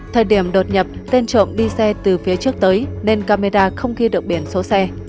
thời điểm đột nhập tên trộm đi xe từ phía trước tới nên camera không ghi được biển số xe